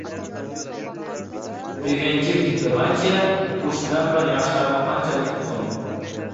Preventiv diplomatiya. Qo‘shnilar bilan yaxshi aloqa qanchalik muhim?